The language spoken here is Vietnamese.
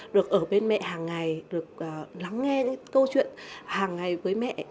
được ở bên mẹ hàng ngày được lắng nghe những câu chuyện hàng ngày với mẹ